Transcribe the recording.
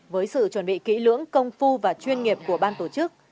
với sự chuẩn bị kỹ lưỡng công phu và chuyên nghiệp của ban tổ chức